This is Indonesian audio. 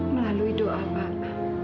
melalui doa pak